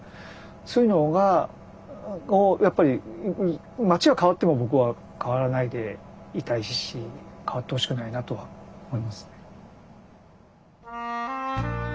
そういうのがやっぱり街は変わっても僕は変わらないでいたいし変わってほしくないなとは思います。